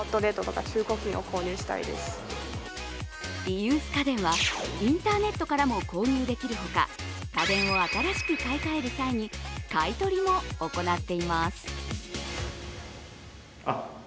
リユース家電はインターネットからも購入できるほか家電を新しく買い替える際に買い取りも行っています。